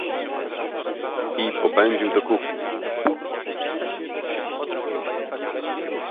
I popędził do kuchni.